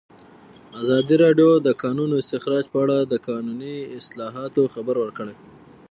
ازادي راډیو د د کانونو استخراج په اړه د قانوني اصلاحاتو خبر ورکړی.